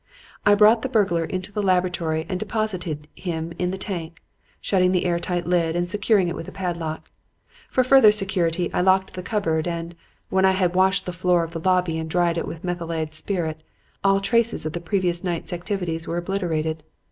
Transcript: I brought the burglar into the laboratory and deposited him in the tank, shutting the air tight lid and securing it with a padlock. For further security I locked the cupboard, and, when I had washed the floor of the lobby and dried it with methylated spirit, all traces of the previous night's activities were obliterated.